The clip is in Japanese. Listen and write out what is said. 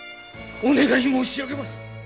お願い申し上げます！